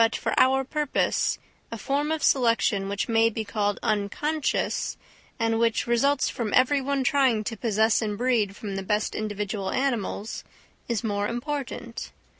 But, for our purpose, a form of selection, which may be called unconscious, and which results from every one trying to possess and breed from the best individual animals, is more important.